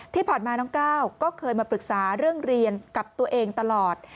ที่ผ่านมาน้องก้าวก็เคยมาปรึกษาเรื่องเรียนกับตัวเองตลอด